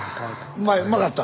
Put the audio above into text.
うまかった？